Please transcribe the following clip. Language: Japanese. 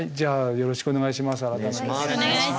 よろしくお願いします。